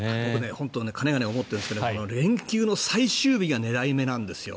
本当にかねがね思ってるんですが連休の最終日が狙い目なんですよ。